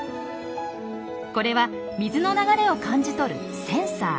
これは水の流れを感じ取るセンサー。